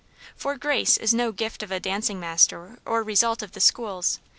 For grace is no gift of a dancing master or result of the schools.